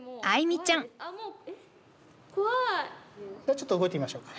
ちょっと動いてみましょうか。